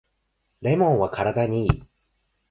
レモンは体にいい